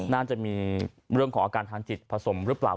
น่าจะมีเรื่องของอาการทางจิตผสมหรือเปล่า